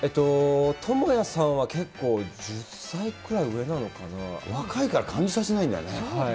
倫也さんは、結構、１０歳く若いから感じさせないんだね。